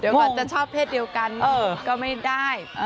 เดี๋ยวก่อนจะชอบเพศเดียวกันก็ไม่ได้